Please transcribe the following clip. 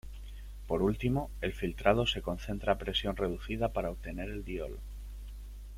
Por último, el filtrado se concentra a presión reducida para obtener el diol.